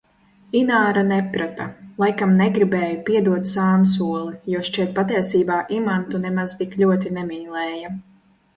Ināra neprata, laikam negribēja piedot sānsoli, jo šķiet patiesībā Imantu nemaz tik ļoti nemīlēja.